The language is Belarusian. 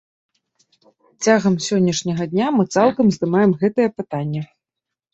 Цягам сённяшняга дня мы цалкам здымем гэтае пытанне.